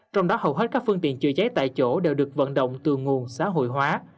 trong đó hầu hết các phương tiện chữa cháy tại chỗ đều được vận động từ nguồn xã hội hóa